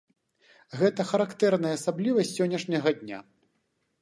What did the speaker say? Гэта характэрная асаблівасць сённяшняга дня.